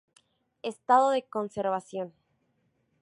Estado de conservación.